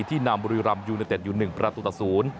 ที่นำรุยรำยูนิเต็ดยู๑ประตูตะศูนย์